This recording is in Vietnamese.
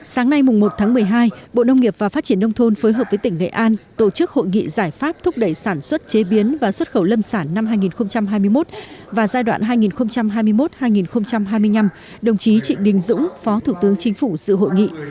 sáng nay một tháng một mươi hai bộ nông nghiệp và phát triển nông thôn phối hợp với tỉnh nghệ an tổ chức hội nghị giải pháp thúc đẩy sản xuất chế biến và xuất khẩu lâm sản năm hai nghìn hai mươi một và giai đoạn hai nghìn hai mươi một hai nghìn hai mươi năm đồng chí trịnh đình dũng phó thủ tướng chính phủ sự hội nghị